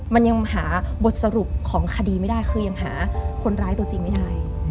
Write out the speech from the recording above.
มันยังหาบทสรุปของคดีไม่ได้คือยังหาคนร้ายตัวจริงไม่ได้